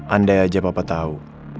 andai aja papa tau